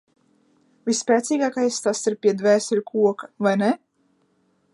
Visspēcīgākais tas ir pie Dvēseļu koka, vai ne?